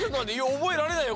おぼえられないよ